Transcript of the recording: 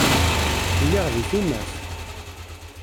Lliɣ di tumert.